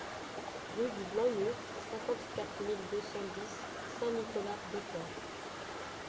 Rue du Blanc Mur, cinquante-quatre mille deux cent dix Saint-Nicolas-de-Port